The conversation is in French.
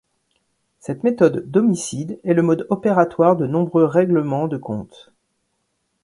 Cette méthode d'homicide est le mode opératoire de nombreux règlements de comptes.